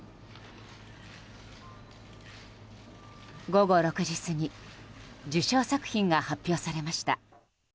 午後６時過ぎ受賞作品が発表されました。